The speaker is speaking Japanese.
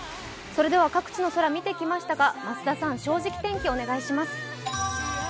各地の空見てきましたが、増田さん「正直天気」お願いします。